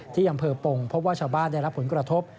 ที่อำเภอปงพบว่าชาวบ้านได้รับผลกระทบ